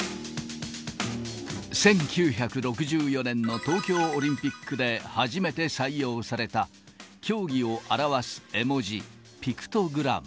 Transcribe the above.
１９６４年の東京オリンピックで初めて採用された、競技を表す絵文字、ピクトグラム。